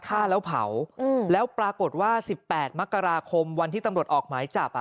ฆ่าแล้วเผาแล้วปรากฏว่า๑๘มกราคมวันที่ตำรวจออกหมายจับอ่ะ